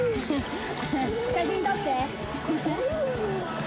写真撮って。